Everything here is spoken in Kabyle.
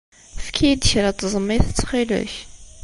Efk-iyi-d kra n tẓemmit, ttxil-k.